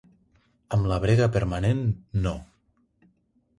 Amb la brega permanent, no.